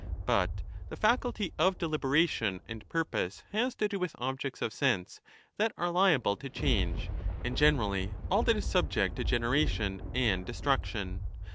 But the faculty of deliberation and purpose has to do with objects of sense that are liable to change, and generally all that is subject to generation and destruction.